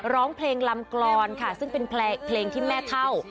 ร้องเพลงลำกรอนค่ะซึ่งเป็นเพลงที่แม่เท่า